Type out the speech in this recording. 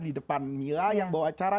di depan mila yang bawa acara